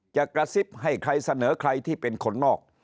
กระซิบให้ใครเสนอใครที่เป็นคนนอก